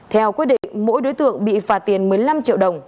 theo quyết định mỗi đối tượng bị phạt tiền một mươi năm triệu đồng